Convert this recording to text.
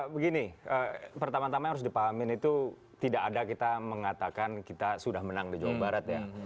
begini pertama tama yang harus dipahami itu tidak ada kita mengatakan kita sudah menang di jawa barat ya